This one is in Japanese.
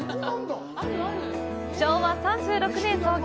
昭和３６年創業。